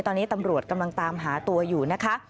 ตอนนี้ตำรวจกำลังตามหาตัวอยู่นะคะ